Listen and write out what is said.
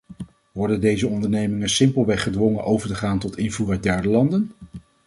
Worden deze ondernemingen simpelweg gedwongen over te gaan tot invoer uit derde landen?